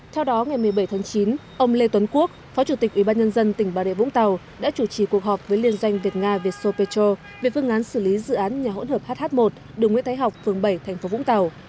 theo đó ngày một mươi bảy tháng chín ông lê tuấn quốc phó chủ tịch ủy ban nhân dân tỉnh bà rịa vũng tàu đã chủ trì cuộc họp với liên doanh việt nga vysopecho về phương án xử lý dự án nhà hỗn hợp hh một đường nguyễn thái học phường bảy tp vũng tàu